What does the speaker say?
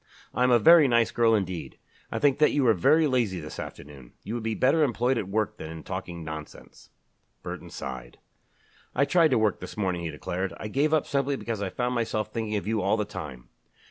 "I am a very nice girl indeed. I think that you are very lazy this afternoon. You would be better employed at work than in talking nonsense." Burton sighed. "I tried to work this morning," he declared. "I gave up simply because I found myself thinking of you all the time.